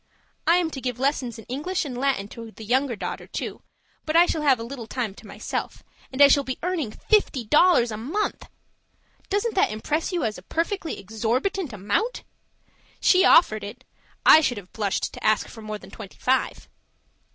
I am to give lessons in English and Latin to the younger daughter, too, but I shall have a little time to myself, and I shall be earning fifty dollars a month! Doesn't that impress you as a perfectly exorbitant amount? She offered it; I should have blushed to ask for more than twenty five.